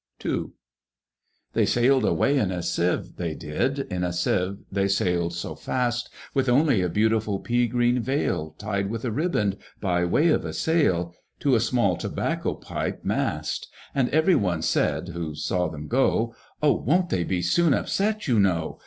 II. They sailed away in a Sieve, they did, In a Sieve they sailed so fast, With only a beautiful pea green veil Tied with a riband, by way of a sail, To a small tobacco pipe mast; And every one said, who saw them go, "O won't they be soon upset, you know!